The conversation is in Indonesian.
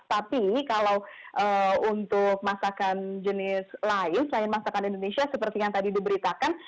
tapi kalau untuk masakan jenis lain selain masakan indonesia seperti yang tadi diberitakan